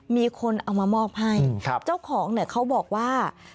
มีคนเอามามอบให้เจ้าของเนี่ยเขาบอกว่า